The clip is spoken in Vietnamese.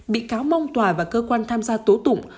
bị cáo mong tòa và cơ quan tham gia tố tụng